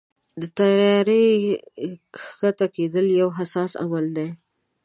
د طیارې کښته کېدل یو حساس عمل دی.